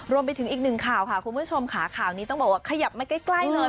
รวมไปถึงอีกหนึ่งข่าวค่ะคุณผู้ชมค่ะข่าวนี้ต้องบอกว่าขยับมาใกล้เลย